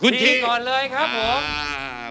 คุณชิก่อนเลยครับผม